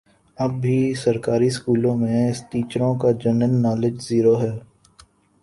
اب بھی سرکاری سکولوں میں ٹیچروں کا جنرل نالج زیرو ہے